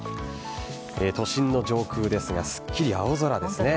都心の上空ですがすっきり青空ですね。